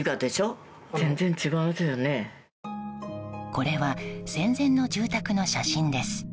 これは戦前の住宅の写真です。